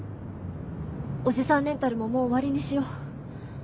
おじさんレンタルももう終わりにしよう。